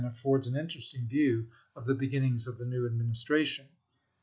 affords an interesting view of the beginnings of the new Administration.